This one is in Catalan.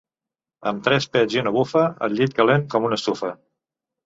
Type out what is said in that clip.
Amb tres pets i una bufa, el llit calent com una estufa.